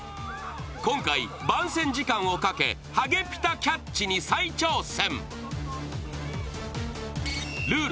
今回、番宣時間をかけハゲピタ・キャッチに再挑戦。